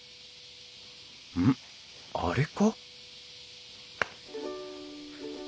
うん？あれか？